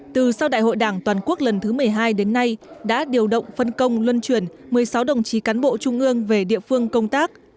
từ sau đại hội đảng toàn quốc lần thứ một mươi hai đến nay đã điều động phân công luân chuyển một mươi sáu đồng chí cán bộ trung ương về địa phương công tác